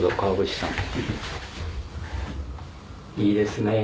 いいですねぇ。